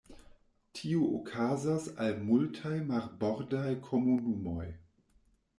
Tiu okazas al multaj marbordaj komunumoj.